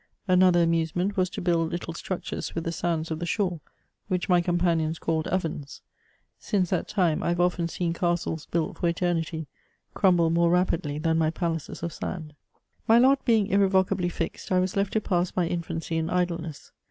Another amusement was to build little structures with the sands of the shore, which my companions called ovens. Since that time, I have often seen castles built for eternity crumble more rapidly than my palaces of sand. My lot being irrevocably fixed, I was left to pass my infancy in idleness.